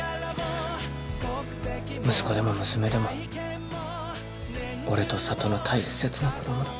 息子でも娘でも俺と佐都の大切な子供だ。